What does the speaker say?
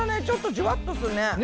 ちょっとじゅわっとするね。